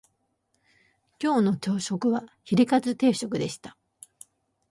今日の朝食はヒレカツ定食でした